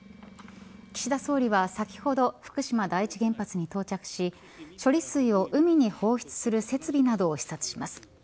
岸田総理は先ほど福島第１原発に到着し処理水を海に放出する設備などを視察します。